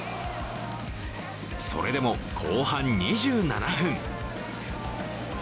それでも後半２７分。